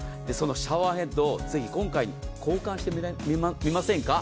シャワーヘッドをぜひ今回交換しませんか。